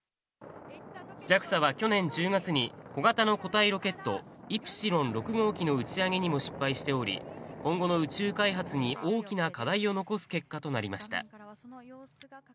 ＪＡＸＡは去年１０月に、小型の固体ロケット、イプシロン６号機の打ち上げにも失敗しており、今後の宇宙開発に大きな課題を残す結果となりました。